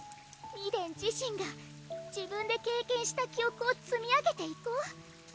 ミデン自身が自分で経験した記憶をつみ上げていこう